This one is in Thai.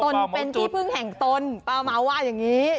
ตนเป็นที่พึ่งแห่งตนป้าเมาว่าอย่างนี้